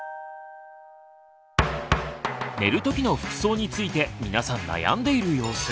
寝る時の服装について皆さん悩んでいる様子。